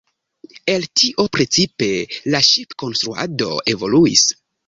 El tio precipe la ŝipkonstruado evoluis.